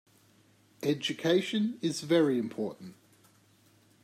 Education is very important.